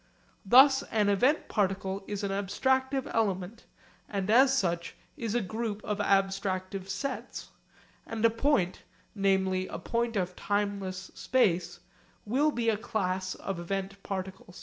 Thus an event particle is an abstractive element and as such is a group of abstractive sets; and a point namely a point of timeless space will be a class of event particles.